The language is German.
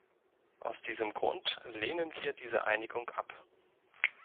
Aus diesem Grund lehnen wir diese Einigung ab.